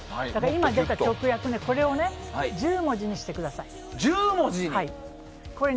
今出た直訳を１０文字にしてください。